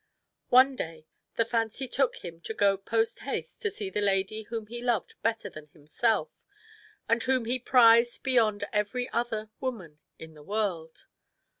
One day the fancy took him to go post haste to see the lady whom he loved better than himself, and whom he prized beyond every other woman in the world.